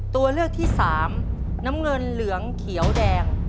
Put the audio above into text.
ตัวเลือกที่สามน้ำเงินเหลืองเขียวแดง